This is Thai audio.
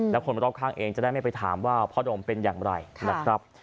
และคนรอบข้างเองจะได้ไม่ไปถามว่าพ่อดมเป็นอย่างไรนะครับ